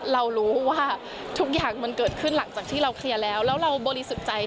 เรารู้ว่าทุกอย่างมันเกิดขึ้นหลังจากที่เราเคลียร์แล้วแล้วเราบริสุทธิ์ใจ